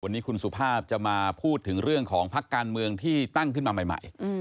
วันนี้คุณสุภาพจะมาพูดถึงเรื่องของพักการเมืองที่ตั้งขึ้นมาใหม่